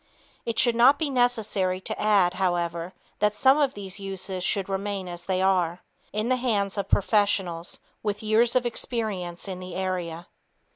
It should not be necessary to add, however, that some of these uses should remain as they are in the hands of professionals with years of experience in the area.